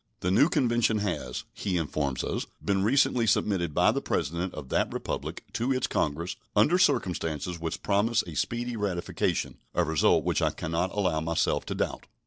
The new convention has, he informs us, been recently submitted by the President of that Republic to its Congress under circumstances which promise a speedy ratification, a result which I can not allow myself to doubt.